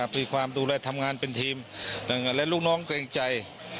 มีความดูแลทำงานเป็นทีมและลูกน้องเกรงใจ